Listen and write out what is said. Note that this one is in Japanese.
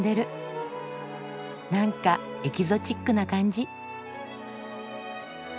なんかエキゾチックな感じ。